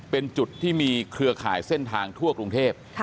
เป็นจุดที่มีเครือข่ายเส้นทางทั่วกรุงเทพ